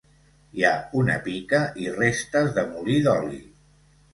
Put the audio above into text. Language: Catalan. Hi ha una pica i restes de molí d'oli.